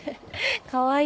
かわいい。